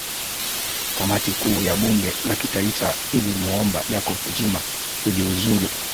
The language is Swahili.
kamati kuu ya bunge la kitaifa ilimuomba jacob zuma kujiuzulu